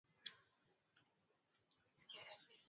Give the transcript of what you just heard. sidhani kama kuna haja ya mapambano